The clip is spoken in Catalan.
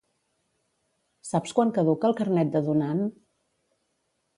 Saps quan caduca el carnet de donant?